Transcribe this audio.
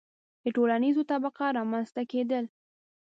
• د ټولنیزو طبقو رامنځته کېدل.